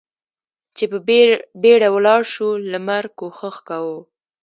چې په بېړه ولاړ شو، لمر کوښښ کاوه.